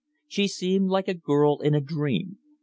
She seemed like a girl in a dream.